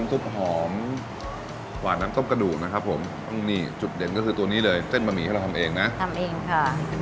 ซุปหอมหวานน้ำซุปกระดูกนะครับผมนี่จุดเด่นก็คือตัวนี้เลยเส้นบะหมี่ที่เราทำเองนะทำเองค่ะ